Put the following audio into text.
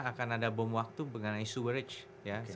akan ada bom waktu mengenai sewerage